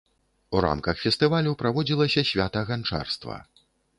У рамках фестывалю праводзілася свята ганчарства.